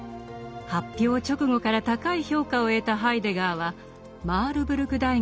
発表直後から高い評価を得たハイデガーはマールブルク大学